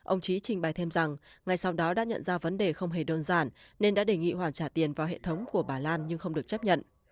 ông trí trình bày thêm rằng ngay sau đó đã nhận ra vấn đề không hề đơn giản nên đã đề nghị hoàn trả tiền vào hệ thống của bà lan nhưng không được chấp nhận